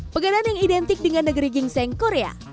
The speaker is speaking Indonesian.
pegangan yang identik dengan negeri gingseng korea